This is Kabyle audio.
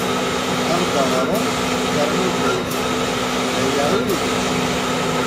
Aɣ-d aɣrum ternu-d ayefki, d aya i ulac.